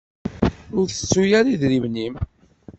Ur tettu ara idrimen-im.